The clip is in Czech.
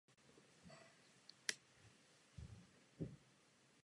Dospělí jedinci žijí na souši.